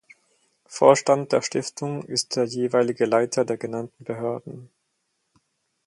Vorstand der Stiftung ist der jeweilige Leiter der genannten Behörden.